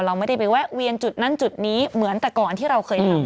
เราไม่ได้ไปแวะเวียนจุดนั้นจุดนี้เหมือนแต่ก่อนที่เราเคยทำ